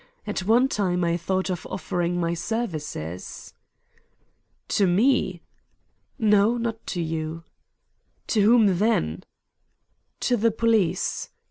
At one time I thought of offering my services." "To me?" "No, not to you." "To whom, then?" "To the police.